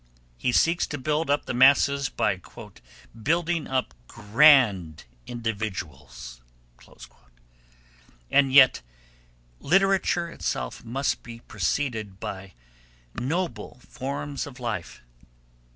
He seeks to build up the masses by 'building up grand individuals.' And yet literature itself must be preceded by noble forms of life.